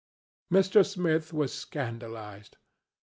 Mr. Smith was scandalized.